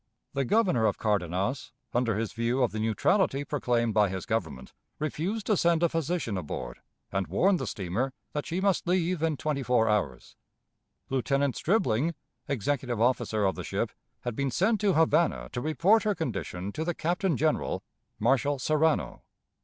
The Governor of Cardenas, under his view of the neutrality proclaimed by his Government, refused to send a physician aboard, and warned the steamer that she must leave in twenty four hours. Lieutenant Stribling, executive officer of the ship, had been sent to Havana to report her condition to the Captain General, Marshal Serrano.